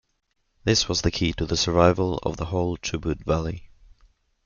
This was key to the survival of the whole Chubut valley.